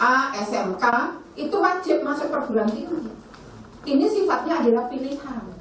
ini sifatnya adalah pilihan